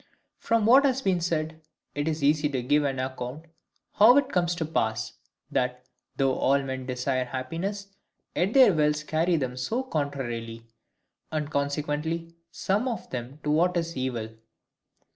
From what has been said, it is easy to give an account how it comes to pass, that, though all men desire happiness, yet their wills carry them so contrarily; and consequently, some of them to what is evil.